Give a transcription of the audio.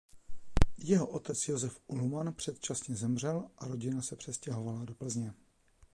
Jeho otec Josef Ullmann předčasně zemřel a rodina se přestěhovala do Plzně.